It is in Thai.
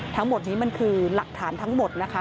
ทั้งหมดนี้มันคือหลักฐานทั้งหมดนะคะ